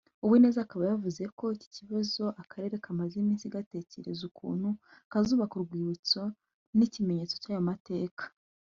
Uwineza akaba yavuze ko iki kibazo akarere kamaze iminsi gatekereza ukuntu kazubaka urwibutso nk’ikimenyetso cy’ayo mateka